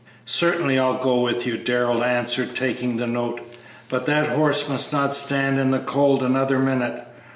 "Certainly, I'll go with you," Darrell answered, taking the note; "but that horse must not stand in the cold another minute.